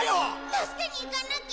助けに行かなきゃ！